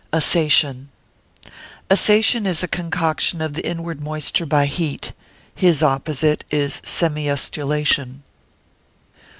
Assation.] Assation is a concoction of the inward moisture by heat; his opposite is semiustulation.